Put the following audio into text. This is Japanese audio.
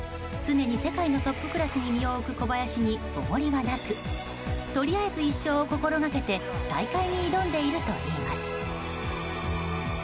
常に世界のトップクラスに身を置く小林におごりがなくとりあえず１勝を心がけて大会に挑んでいるといいます。